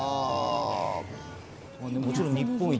もちろん日本一